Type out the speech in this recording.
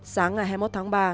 sáng ngày hai mươi một tháng ba